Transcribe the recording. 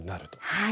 はい。